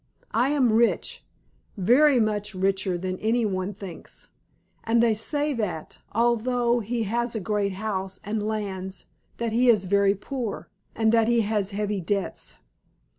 I am rich, very much richer than any one thinks, and they say that, although he has a great house and lands, that he is very poor, and that he has heavy debts.